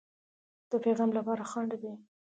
د پیغام لپاره خنډ دی.